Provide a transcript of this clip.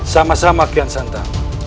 sama sama kian santa